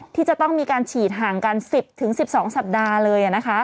ที่จะต้องมีการฉีดห่างกัน๑๐๑๒สัปดาห์เลย